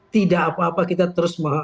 tidak apa apa kita terus